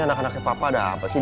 anak anaknya papa ada apa sih